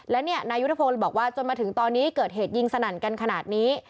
และเนี่ยนายุทธพงศ์บอกว่าจนมาถึงตอนนี้เกิดเหตุยิงสนั่นกันขนาดนี้